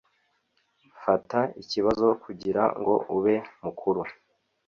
fata ikibazo kugirango ube mukuru